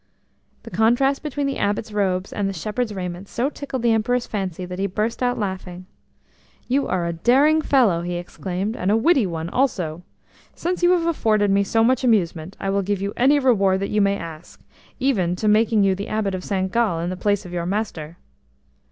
The contrast between the Abbot's robes and the shepherd's raiment so tickled the Emperor's fancy that he burst out laughing. "You are a daring fellow," he exclaimed, "and a witty one also. Since you have afforded me so much amusement I will give you any reward that you may ask–even to making you the Abbot of St Gall in the place of your master."